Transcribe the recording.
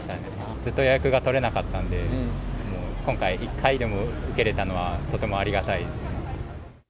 ずっと予約が取れなかったんで、もう今回、１回でも受けれたのは、とてもありがたいですね。